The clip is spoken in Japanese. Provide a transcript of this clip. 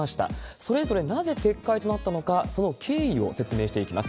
それぞれなぜ撤回となったのか、その経緯を説明していきます。